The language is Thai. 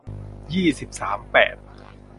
ยี่สิบสาม แปด